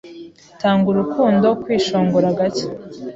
Tanga urukundo kwishongora gake